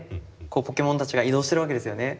ポケモンたちが移動してるわけですよね。